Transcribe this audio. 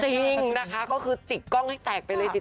จริงนะคะก็คือจิกกล้องให้แตกไปเลยสิ